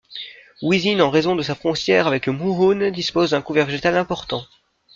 Wizin en raison de sa frontière avec le Mouhoun dispose d'un couvert végétal important.